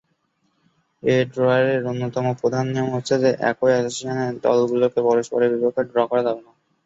এই ড্রয়ের অন্যতম প্রধান নিয়ম হচ্ছে যে, একই এসোসিয়েশনের দলগুলোকে পরস্পরের বিপক্ষে ড্র করা যাবে না।